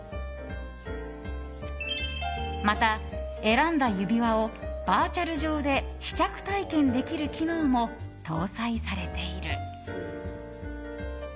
また、選んだ指輪をバーチャル上で試着体験できる機能も搭載されている。